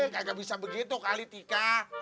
nggak bisa begitu kali tika